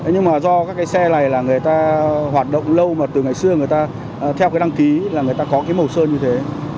nhưng mà do các cái xe này là người ta hoạt động lâu mà từ ngày xưa người ta theo cái đăng ký là người ta có cái màu sơn như thế